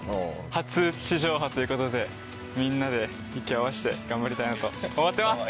初地上波ということでみんなで息を合わせて頑張りたいなと思ってます。